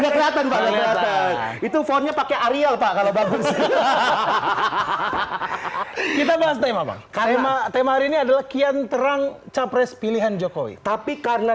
kita bahas tema tema tema tema ini adalah kian terang capres pilihan jokowi tapi karena